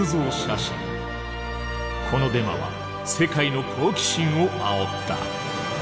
このデマは世界の好奇心をあおった。